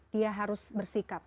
dia harus bersikap